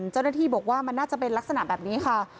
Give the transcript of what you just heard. เจ้าหน้าที่บอกว่ามันน่าจะเป็นลักษณะแบบนี้ค่ะ